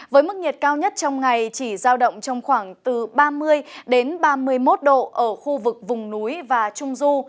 với mức nhiệt cao nhất trong ngày chỉ giao động trong khoảng từ ba mươi đến ba mươi một độ ở khu vực vùng núi và trung du